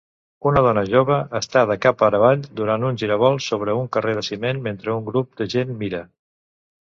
Una dona jove està de cap per avall durant un giravolt sobre un carrer de ciment mentre un grup de gent mira.